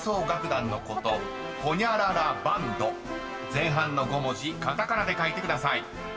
［前半の５文字カタカナで書いてください］